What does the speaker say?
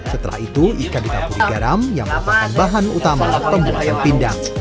setelah itu ikan ditampuri garam yang merupakan bahan utama pembuatan pindang